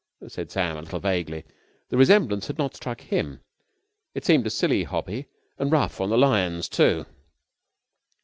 said Sam, a little vaguely. The resemblance had not struck him. It seemed a silly hobby and rough on the lions, too.